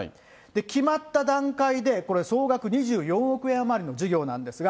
決まった段階でこれ、総額２４億円余りの事業なんですが。